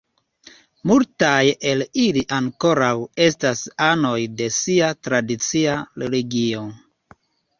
Multaj el ili ankoraŭ estas anoj de sia tradicia religio.